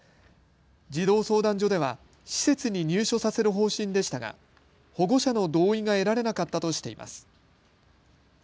児童相談所では施設に入所させる方針でしたが保護者の同意が得られなかったとしています。